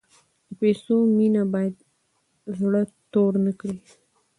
د پیسو مینه باید زړه تور نکړي.